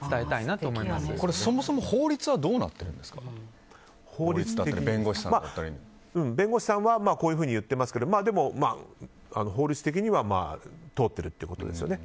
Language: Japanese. そもそも法律は弁護士さんはこういうふうに言っていますけどでも、法律的には通っているということですね。